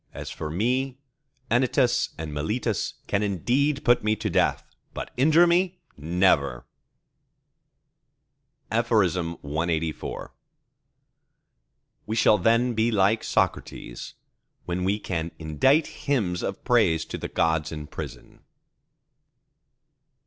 As for me, Anytus and Meletus can indeed put me to death, but injure me, never! CLXXXV We shall then be like Socrates, when we can indite hymns of praise to the Gods in prison.